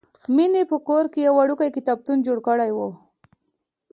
مینې په کور کې یو وړوکی کتابتون جوړ کړی و